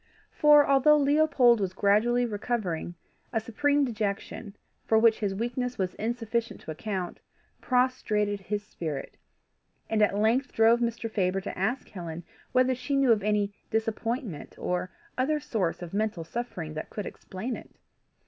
For, although Leopold was gradually recovering, a supreme dejection, for which his weakness was insufficient to account, prostrated his spirit, and at length drove Mr. Faber to ask Helen whether she knew of any disappointment or other source of mental suffering that could explain it.